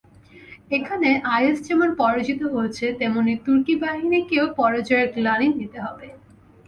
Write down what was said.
এখানে আইএস যেমন পরাজিত হচ্ছে, তেমনি তুর্কি বাহিনীকেও পরাজয়ের গ্লানি নিতে হবে।